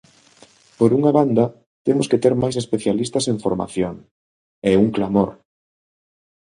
Por unha banda, temos que ter máis especialistas en formación; é un clamor.